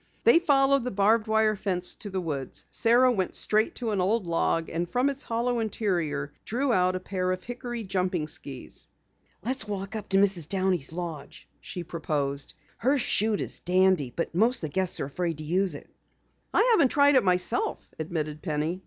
They followed the barbed wire fence to the woods. Sara went straight to an old log and from its hollow interior drew out a pair of hickory jumping skis. "Let's walk up to Mrs. Downey's lodge," she proposed. "Her chute is a dandy, but most of the guests are afraid to use it." "I haven't tried it myself," admitted Penny.